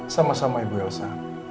sama sama ibu elsa